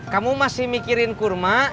kamu masih mikirin kurma